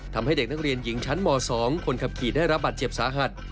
ทำให้เด็กนักเรียนหญิงชั้นม๒คนขับขี่ได้รับบาดเจ็บสาหัส